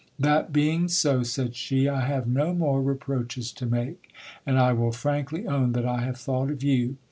That being so, said she, I have no more reproaches to make ; and I will frankly ovn that I have thought of you.